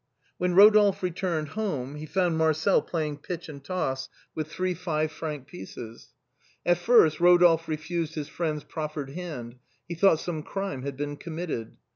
When Rodolphe returned home he found Marcel play ing pitch and toss with three five franc pieces. At first A CARLOVINGIAN COIN. 71 Rodolphe refused his friend's proffered hand — he thought some crime had been committed.